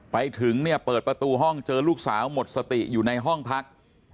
ไปถึงเนี่ยเปิดประตูห้องเจอลูกสาวหมดสติอยู่ในห้องพัก